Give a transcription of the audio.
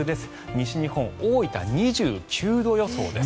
西日本大分、２９度予想です。